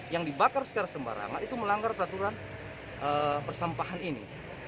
yang dibakar secara sembarangan itu melanggar peraturan persampahan ini